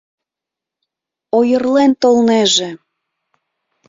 Ойырлен толнеже!